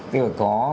thì phải có